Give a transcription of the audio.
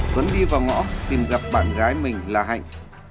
tuấn đi vào ngõ tìm gặp bạn gái mình là hạnh